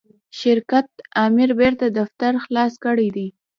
شرکت آمر بیرته دفتر خلاص کړی دی.